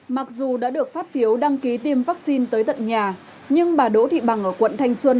mặc dù đã được phát phiếu đăng ký tiêm vaccine tới tận nhà nhưng bà đỗ thị bằng ở quận thanh xuân